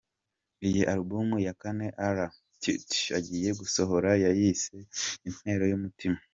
Iyi Album ya kane R Tuty agiye gusohora yayise ‘Intero y’Umutima’.